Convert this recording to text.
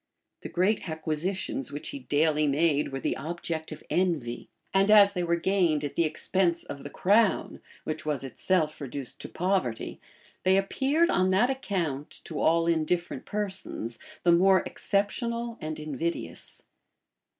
The great acquisitions which he daily made were the object of envy; and as they were gained at the expense of the crown, which was itself reduced to poverty, they appeared on that account, to all indifferent persons, the more exceptionable and invidious.